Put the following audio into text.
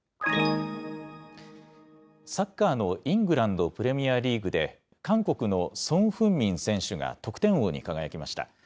サッカーのイングランドプレミアリーグで、韓国のソン・フンミン選手が得点王に輝きました。